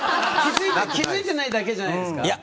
気づいてないだけじゃないですか？